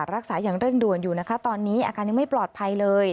รักษาอย่างเร่งด่วนอยู่นะคะตอนนี้อาการยังไม่ปลอดภัยเลย